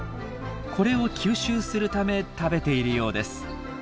これを吸収するため食べているようです。